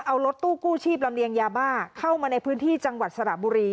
เอารถตู้กู้ชีพลำเลียงยาบ้าเข้ามาในพื้นที่จังหวัดสระบุรี